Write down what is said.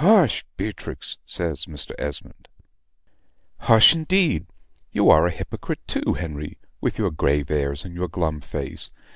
"Hush, Beatrix," says Mr. Esmond. "Hush, indeed. You are a hypocrite, too, Henry, with your grave airs and your glum face.